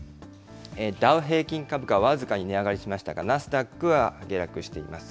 ダウ平均株価、僅かに値上がりしましたが、ナスダックは下落しています。